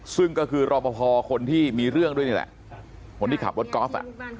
ซึ่งก็คือรอปภคนที่มีเรื่องด้วยนี่แหละคนที่ขับรถกอล์ฟ